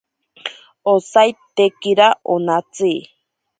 Osaitekira onatsi.